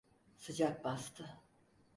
Sıcak bastı…